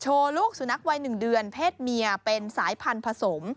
ลูกสุนัขวัย๑เดือนเพศเมียเป็นสายพันธุ์ผสม